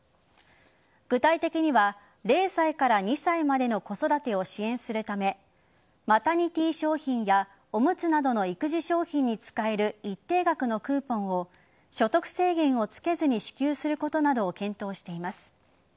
具体的には０歳から２歳までの子育てを支援するためマタニティー商品やおむつなどの育児商品に使える一定額のクーポンを所得制限をつけずに支給することなどを検討しています。